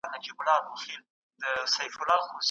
سپیني وریجي لږ کاروئ.